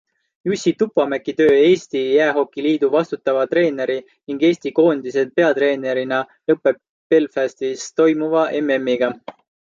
Jussi Tupamäki töö Eesti Jäähokiliidu vastutava treeneri ning Eesti koondise peatreenerina lõppeb Belfastis toimuva MMiga.